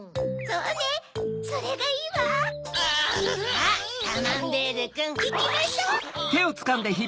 さぁカマンベールくん。いきましょう！